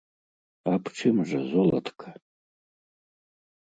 Аб чым жа, золатка?